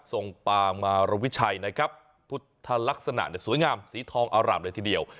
ปามารวิชัยนะครับพุทธลักษณะสวยงามสีทองอร่ามเลยทีเดียว